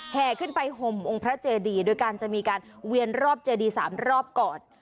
แห่ขึ้นไปห่มองค์พระเจดีโดยการจะมีการเวียนรอบเจดี๓รอบก่อน